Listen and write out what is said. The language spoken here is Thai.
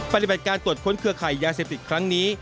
ปฏิบัติการตรวจค้นเครือข่ายยาเสพติดครั้งนี้